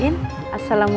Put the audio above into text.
menurut saya itu